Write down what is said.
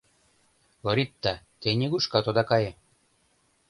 — Лоритта, те нигушкат ода кае.